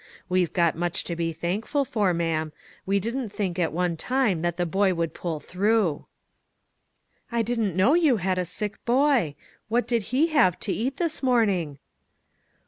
We've got much to be thankful for, ma'am ; we didn't think at one time that the boy would pull through." " I didn't know you had a sick boy ; what did he have to eat this morning?"